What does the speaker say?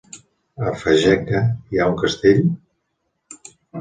A Fageca hi ha un castell?